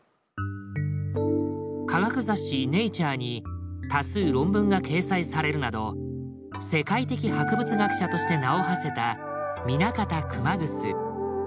科学雑誌「ネイチャー」に多数論文が掲載されるなど世界的博物学者として名をはせた南方熊楠。